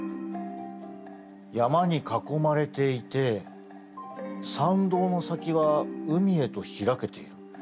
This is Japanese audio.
山に囲まれていて参道の先は海へと開けている。